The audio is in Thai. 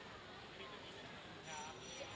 ขอบคุณครับ